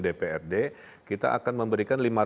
dprd kita akan memberikan